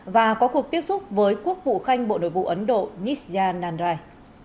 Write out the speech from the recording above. và có cuộc tiếp xúc với quốc vụ khanh bộ nội vụ ấn độ nishya nandrai